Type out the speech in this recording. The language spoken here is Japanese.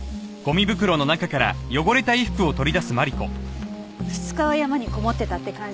２日は山にこもってたって感じね。